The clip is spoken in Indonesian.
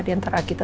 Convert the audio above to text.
di antara kita